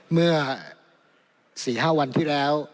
เมื่อ๔๕วันที่แล้ว